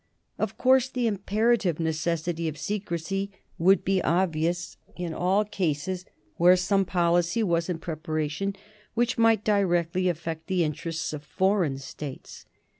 Of course the imperative necessity of secrecy would be obvious in all cases where some policy was in preparation which might directly affect the interests of foreign States.